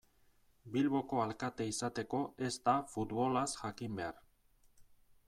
Bilboko alkate izateko ez da futbolaz jakin behar.